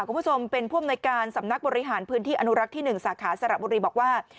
คุณผู้ชมเป็นผู้อำนวยการสำนักบริหารพื้นที่อนุรักษ์ที่๑สาขาสระบุรีบอกว่า